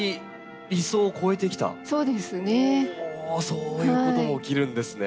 そういうことが起きるんですね。